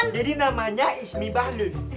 jadi namanya ismi bahlun